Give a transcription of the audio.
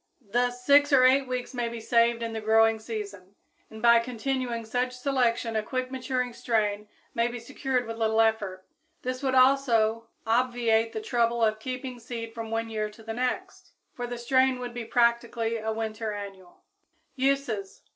Thus six or eight weeks may be saved in the growing season, and by continuing such selection a quick maturing strain may be secured with little effort. This would also obviate the trouble of keeping seed from one year to the next, for the strain would be practically a winter annual. _Uses.